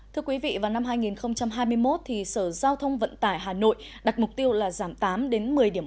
thưa quý vị vào năm hai nghìn hai mươi một sở giao thông vận tải hà nội đặt mục tiêu là giảm tám đến một mươi điểm